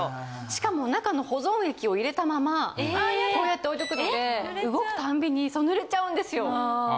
しかも中の保存液を入れたままこうやって置いとくので動くたんびに濡れちゃうんですよ。